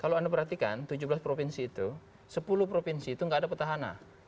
kalau anda perhatikan tujuh belas provinsi itu sepuluh provinsi itu nggak ada petahana